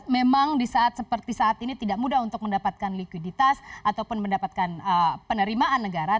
memang di saat seperti saat ini tidak mudah untuk mendapatkan likuiditas ataupun mendapatkan penerimaan negara